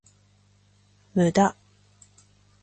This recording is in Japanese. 無駄